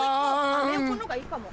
アメ横の方がいいかも。